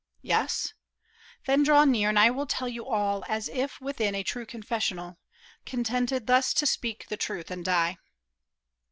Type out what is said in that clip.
Yes ? then draw near and I will tell you all As if within a true confessional, Contented thus to speak the truth and die.